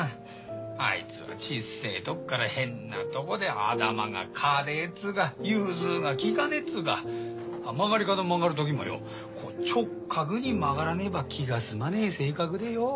あいづはちっせえときから変なとこで頭がかてえっつうか融通がきかねえっつうか曲がり角曲がるときもよこう直角に曲がらねば気が済まねえ性格でよ。